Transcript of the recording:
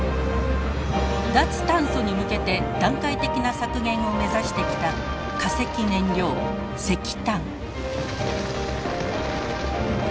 脱炭素に向けて段階的な削減を目指してきた化石燃料石炭。